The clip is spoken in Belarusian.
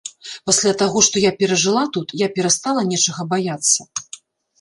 Пасля таго, што я перажыла тут, я перастала нечага баяцца.